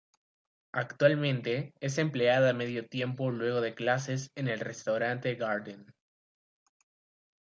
Actualmente es empleada a medio tiempo luego de clases en el Restaurante Garden.